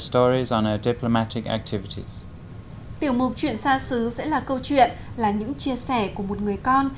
tiểu mục chuyện xa xứ sẽ là câu chuyện là những chia sẻ của một người con